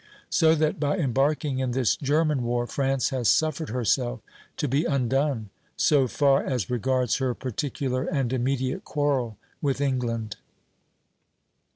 So that, by embarking in this German war, France has suffered herself to be undone, so far as regards her particular and immediate quarrel with England."